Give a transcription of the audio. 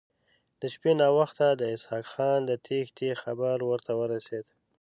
د شپې ناوخته د اسحق خان د تېښتې خبر ورته ورسېد.